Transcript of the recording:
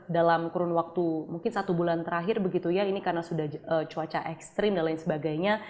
dalam kurun waktu mungkin satu bulan terakhir karena sudah cuaca ekstrim dan lain sebagainya